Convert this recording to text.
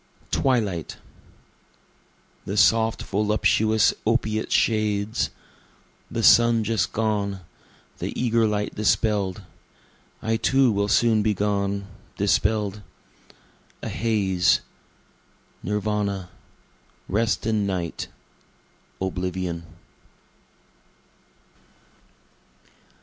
Twilight The soft voluptuous opiate shades, The sun just gone, the eager light dispell'd (I too will soon be gone, dispell'd,) A haze nirwana rest and night oblivion.